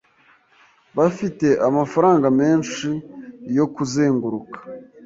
Bafite amafaranga menshi yo kuzenguruka.